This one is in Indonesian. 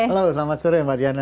halo selamat sore mbak diana